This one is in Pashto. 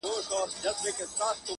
بحثونه بيا بيا تکرارېږي تل,